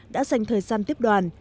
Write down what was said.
đã dành thời gian tiếp đoàn